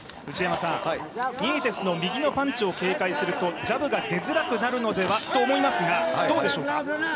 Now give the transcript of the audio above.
ニエテスの右のパンチを警戒するとジャブが出づらくなるのではと思いますが、どうでしょうか。